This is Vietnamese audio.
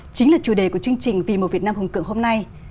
chính là chủ đề của chương trình vì một việt nam hùng cường hôm nay